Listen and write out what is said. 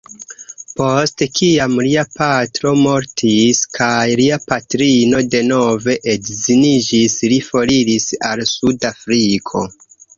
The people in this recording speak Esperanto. Post kiam lia patro mortis kaj lia patrino denove edziniĝis, li foriris al Sud-Afriko.